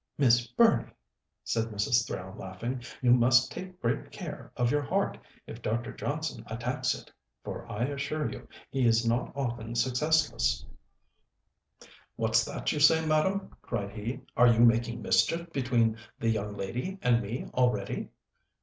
"Miss Burney," said Mrs. Thrale, laughing, "you must take great care of your heart if Dr. Johnson attacks it; for I assure you he is not often successless." "What's that you say, madam?" cried he; "are you making mischief between the young lady and me already?"